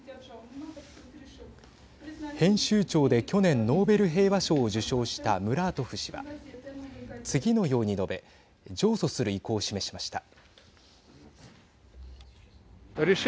編集長で去年、ノーベル平和賞を受賞したムラートフ氏は次のように述べ上訴する意向を示しました。